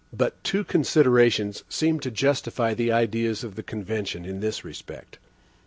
But two considerations seem to justify the ideas of the convention in this respect.